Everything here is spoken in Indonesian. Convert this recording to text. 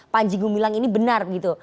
panji gumilang ini benar begitu